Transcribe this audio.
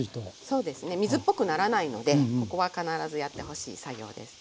そうですね水っぽくならないのでここは必ずやってほしい作業です。